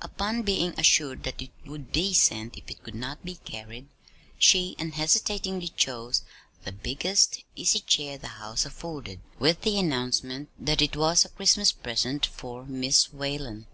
Upon being assured that it would be sent, if it could not be carried, she unhesitatingly chose the biggest easy chair the house afforded, with the announcement that it was "a Christmas present fur Mis' Whalen."